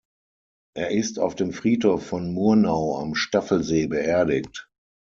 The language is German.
Er ist auf dem Friedhof von Murnau am Staffelsee beerdigt.